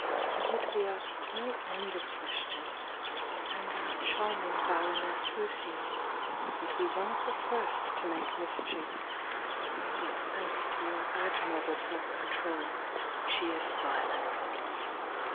You would be asked no end of questions, and our charming Baroness Rousillon would be one of the first to make mischief — but thanks to your admirable self control she is silenced."